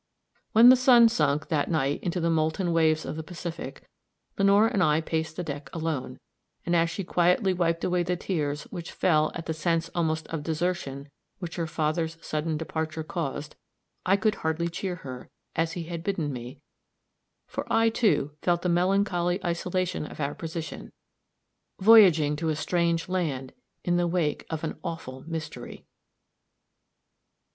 When the sun sunk, that night, into the molten waves of the Pacific, Lenore and I paced the deck alone; and as she quietly wiped away the tears which fell at the sense almost of desertion which her father's sudden departure caused, I could hardly cheer her, as he had bidden me; for I, too, felt the melancholy isolation of our position voyaging to a strange land in the wake of an awful mystery.